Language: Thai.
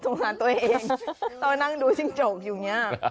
สงสารตัวเองต้องนั่งดูจริงจกอยู่เนี่ย